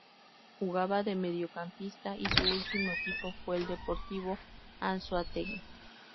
Jugaba de mediocampista y su último equipo fue el Deportivo Anzoátegui.